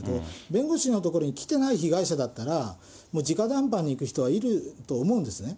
弁護士の所に来てない被害者だったら、もうじか談判に行く人はいると思うんですね。